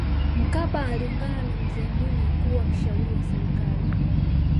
mkapa aliungana na mzee mwinyi kuwa mshauri wa serikali